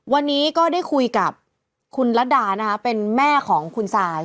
วันนี้ก็ได้คุยกับคุณรัฐดานะคะเป็นแม่ของคุณซาย